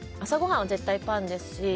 朝ごはんは絶対パンですし。